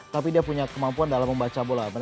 tapi dia punya kemampuan dalam membaca bola